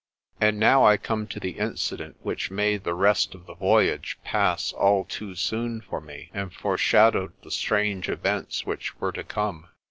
And now I come to the incident which made the rest of the voyage pass all too soon for me, and foreshadowed the strange events which were to come.